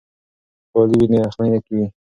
که کالي وي نو یخنۍ نه وي.